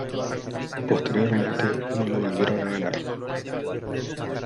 Posteriormente no lo volvieron a ganar.